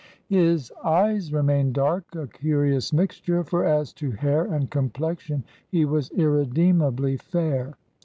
His eyes remained dark,—a curious mixture; for as to hair and complexion he was irredeemably fair.